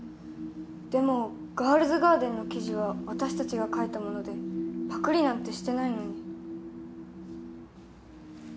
でも『ガールズガーデン』の記事は私たちが書いたものでパクリなんてしてないのに。